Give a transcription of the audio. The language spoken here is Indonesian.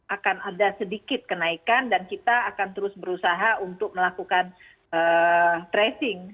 akan ada sedikit kenaikan dan kita akan terus berusaha untuk melakukan tracing